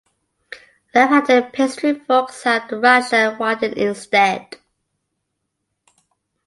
Left-handed pastry forks have the right side widened instead.